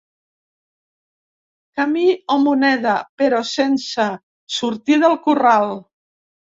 Camí o moneda, però sense sortir del corral.